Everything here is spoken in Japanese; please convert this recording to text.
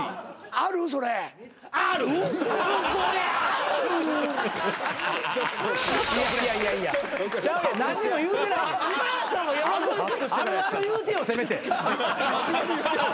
あるある言うてよせめて。